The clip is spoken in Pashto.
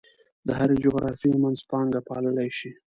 د هرې جغرافیې منځپانګه پاللی شي.